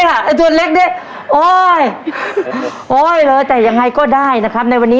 หนึ่งล้านหนึ่งล้าน